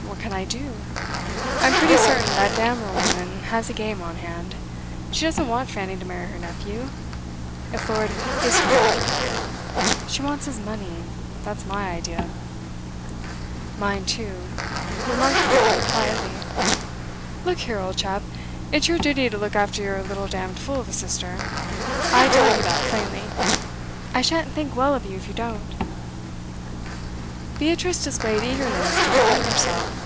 'What can I do? I'm pretty certain that Damerel woman has a game on hand. She doesn't want Fanny to marry her nephew if Lord is her nephew. She wants his money, that's my idea.' 'Mine, too,' remarked the other quietly. 'Look here, old chap, it's your duty to look after your little damned fool of a sister; I tell you that plainly. I shan't think well of you if you don't.' Beatrice displayed eagerness to defend herself.